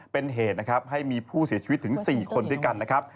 เป็นเหตุนะครับให้มีผู้เสียชีวิตถึง๔คนด้วยกันนะครับ